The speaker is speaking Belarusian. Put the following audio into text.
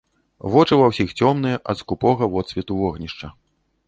Вочы ва ўсіх цёмныя ад скупога водсвету вогнішча.